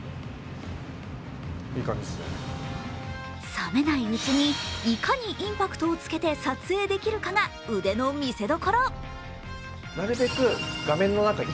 冷めないうちにいかにインパクトをつけて撮影できるかが腕の見せ所。